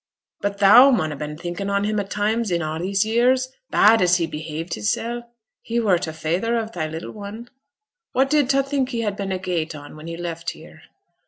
'But thou mun ha' been thinkin' on him at times i' a' these years. Bad as he'd behaved hissel', he were t' feyther o' thy little un. What did ta think he had been agait on when he left here?'